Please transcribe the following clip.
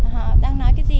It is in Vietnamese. họ đang nói cái gì